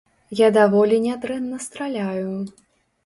Я даволі нядрэнна страляю.